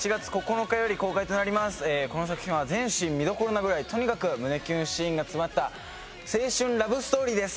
この作品は全シーン見どころなぐらい胸キュンシーンが詰まった青春ラブストーリーです。